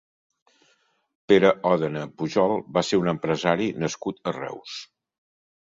Pere Òdena Pujol va ser un empresari nascut a Reus.